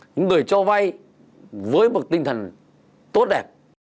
những người cho vay với một tinh thần tốt đẹp